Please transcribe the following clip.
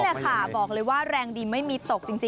นี่แหละแรงดีไม่มีตก